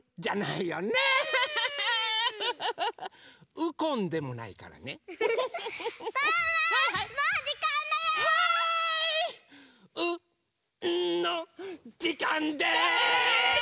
「うんのじかんです！」。です！